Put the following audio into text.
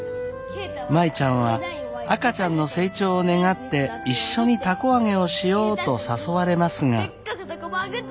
舞ちゃんは赤ちゃんの成長を願って一緒に凧あげをしようと誘われますが。